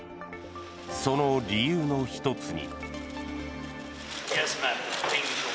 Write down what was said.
その理由の１つに。